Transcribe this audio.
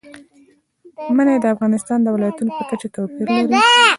منی د افغانستان د ولایاتو په کچه توپیر لري.